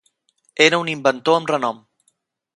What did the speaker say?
Era un inventor amb renom.